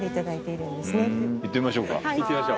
行ってみましょうか。